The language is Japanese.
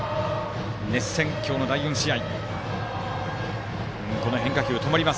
熱戦、今日の第４試合。